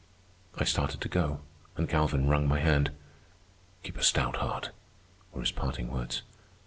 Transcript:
I started to go, and Galvin wrung my hand. "Keep a stout heart," were his parting words.